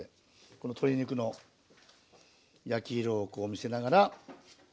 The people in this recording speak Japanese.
この鶏肉の焼き色をこう見せながら。